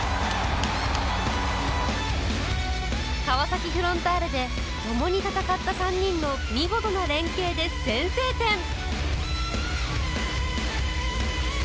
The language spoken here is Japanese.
川崎フロンターレで共に戦った３人の見事な連係で先制点！